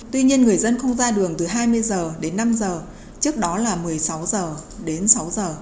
tuy nhiên người dân không ra đường từ hai mươi h đến năm giờ trước đó là một mươi sáu h đến sáu giờ